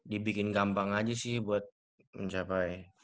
dibikin gampang aja sih buat mencapai